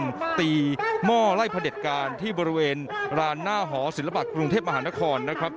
ตีหม้อไล่พระเด็จการที่บริเวณรานหน้าหอศิลปะกรุงเทพมหานครนะครับ